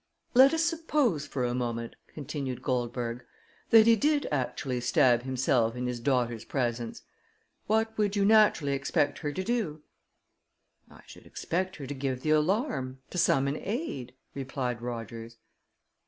"Let us suppose for a moment," continued Goldberg, "that he did actually stab himself in his daughter's presence; what would you naturally expect her to do?" "I should expect her to give the alarm to summon aid," replied Rogers.